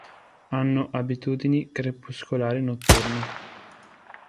Hanno abitudini crepuscolari-notturne.